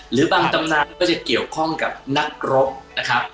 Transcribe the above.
หรือบางตำนานก็จะเกี่ยวข้องกับนักรบนะครับ